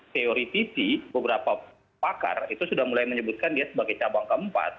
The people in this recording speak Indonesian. teori tv beberapa pakar itu sudah mulai menyebutkan dia sebagai cabang keempat